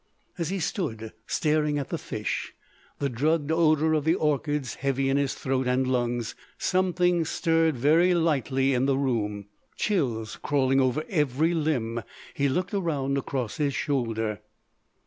As he stood staring at the fish, the drugged odour of the orchids heavy in his throat and lungs, something stirred very lightly in the room. Chills crawling over every limb, he looked around across his shoulder.